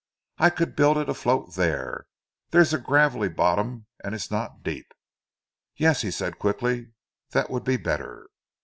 "I could build it afloat there. There's a gravelly bottom and it's not deep." "Yes!" he said quickly. "That would be better!"